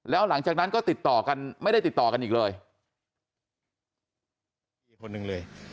แล้วหลังจากนั้นก็ติดต่อกันไม่ได้ติดต่อกันอีกเลย